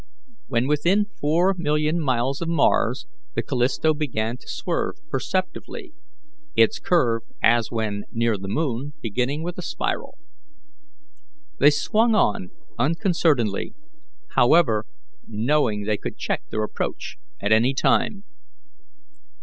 When within four million miles of Mars the Callisto began to swerve perceptibly, its curve, as when near the moon beginning with a spiral. They swung on unconcernedly, however, knowing they could check their approach at any time.